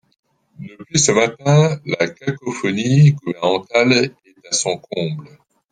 Depuis ce matin, la cacophonie gouvernementale est à son comble.